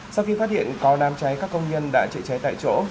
sau khi phát hiện có đám cháy các công nhân đã trị cháy tại chỗ